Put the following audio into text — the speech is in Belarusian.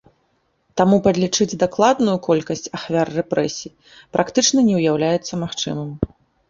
Таму падлічыць дакладную колькасць ахвяр рэпрэсій практычна не ўяўляецца магчымым.